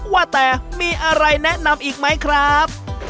ว่าแต่มีอะไรแนะนำอีกไหมครับ